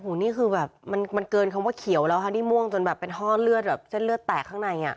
โอ้โหนี่คือแบบมันเกินคำว่าเขียวแล้วค่ะที่ม่วงจนแบบเป็นห้อเลือดแบบเส้นเลือดแตกข้างในอ่ะ